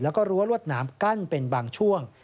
และรั้วรวดน้ำกั้นเป็นบางช่วง